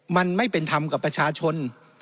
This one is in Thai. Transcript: มันไม่เป็นธรรมกับประชาชน